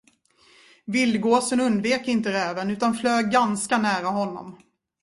Vildgåsen undvek inte räven, utan flög ganska nära honom.